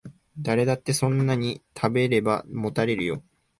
誰だってそんなに食べればもたれるよ